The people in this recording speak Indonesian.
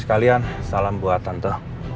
sekali lagi sekalian salam buat tante